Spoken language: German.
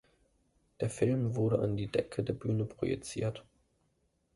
Der Film wurde an die Decke der Bühne projiziert.